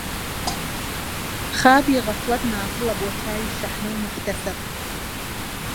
خابی غەفڵەت نازڵە بۆ چاوی شەحنە و موحتەسەب